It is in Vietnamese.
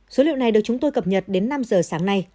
số liệu này được chúng tôi cập nhật đến năm giờ sáng nay